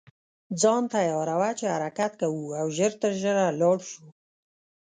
ځان تیاروه چې حرکت کوو او ژر تر ژره لاړ شو.